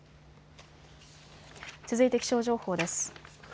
続いて気象情報です。